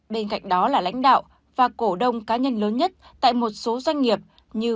bên cạnh đó là lãnh đạo và cổ đông cá nhân lớn nhất tại một số doanh nghiệp như